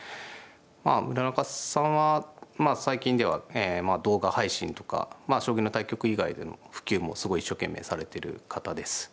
まあ村中さんは最近では動画配信とか将棋の対局以外でも普及もすごい一生懸命されてる方です。